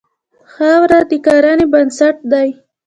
خاوره د کرنې بنسټ دی.